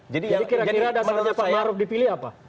jadi kira kira dasarnya pak maruf dipilih apa